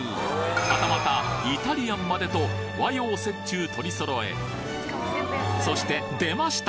はたまたイタリアンまでと和洋折衷取りそろえそして出ました！